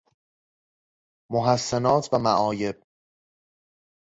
محسنات و معایب